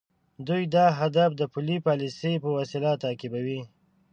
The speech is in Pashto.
دوی دا هدف د پولي پالیسۍ په وسیله تعقیبوي.